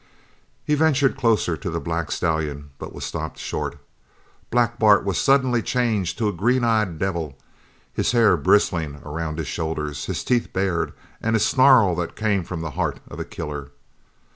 He ventured closer to the black stallion, but was stopped short. Black Bart was suddenly changed to a green eyed devil, his hair bristling around his shoulders, his teeth bared, and a snarl that came from the heart of a killer.